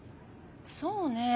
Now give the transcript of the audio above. そうね